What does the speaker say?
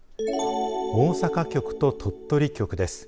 大阪局と鳥取局です。